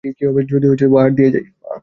কী হবে যদি পাহাড় দিয়ে যাই?